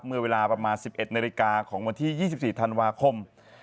เมื่อเวลาประมาณ๑๑นาฬิกาของวันที่๒๔ธันวาคม